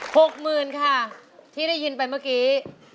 หกหมื่นค่ะที่ได้ยินไปเมื่อกี้